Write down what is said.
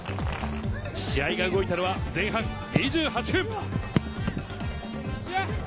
試合が動いたのは前半２８分。